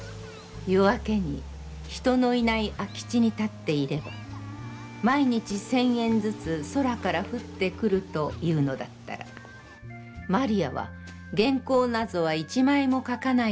夜明けに人の居ない空地に立っていれば、毎日千円ずつ空から降って来ると、いうのだったら、魔利は原稿なぞは一枚も書かないかも知れない。